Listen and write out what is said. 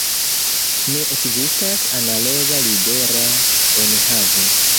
Ne ekzistas analoga libera enhavo.